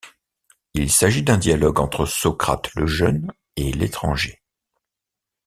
Il s’agit d’un dialogue entre Socrate Le jeune et l’Étranger.